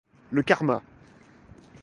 Le karma.